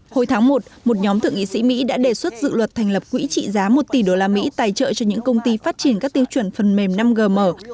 hồi tháng một một nhóm thượng nghị sĩ mỹ đã đề xuất dự luật thành lập quỹ trị giá một tỷ đô la mỹ tài trợ cho những công ty phát triển các tiêu chuẩn phần mềm năm g mở